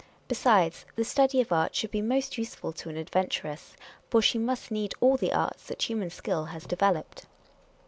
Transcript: Besides, the study of art should be most useful to an adventuress ; for she must need all the arts that human skill has developed.